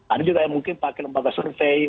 ada juga yang mungkin pakai lembaga survei